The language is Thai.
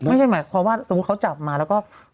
ไม่ใช่หมายความว่าสมมุติเขาจับมาแล้วก็